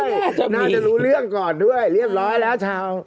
น่าจะรู้เรื่องก่อนด้วยเรียบร้อยแล้วชาว